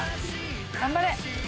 頑張れ。